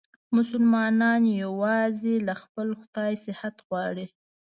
مسلمانان یووازې له خپل خدایه صحت غواړي.